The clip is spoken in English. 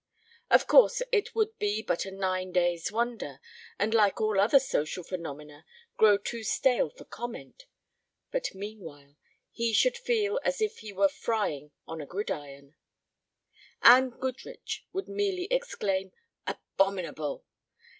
Of course it would be but a nine days' wonder and like all other social phenomena grow too stale for comment, but meanwhile he should feel as if he were frying on a gridiron. Anne Goodrich would merely exclaim: "Abominable."